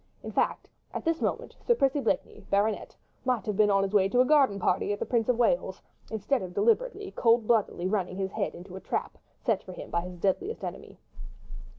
In fact, at this moment, Sir Percy Blakeney, Bart., might have been on his way to a garden party at the Prince of Wales', instead of deliberately, cold bloodedly running his head in a trap, set for him by his deadliest enemy.